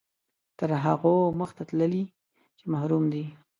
تر هغو مخته تللي چې محروم دي.